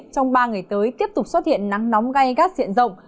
trong ba ngày tới tiếp tục xuất hiện nắng nóng gai gắt diện rộng